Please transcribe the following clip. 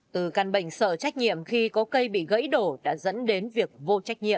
từ căn bệnh sở trách nhiệm khi có cây bị gãy đổ đã dẫn đến việc vô trách nhiệm